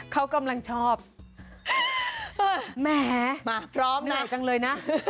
เขากำลังชอบแหมมาพร้อมนะเหนื่อยกันเลยนะ